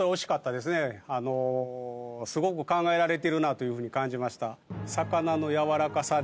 すごく考えられてるなというふうに感じました。